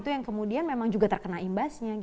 yang kemudian memang juga terkena imbasnya